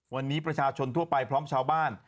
วันนี้ประชาชนทั่วไปพร้อมชาวบ้าน